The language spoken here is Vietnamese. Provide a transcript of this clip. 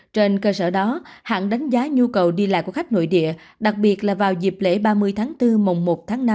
trên cơ sở đó hãng đánh giá nhu cầu đi lại của khách nội địa đặc biệt là vào dịp lễ ba mươi tháng bốn mùng một tháng năm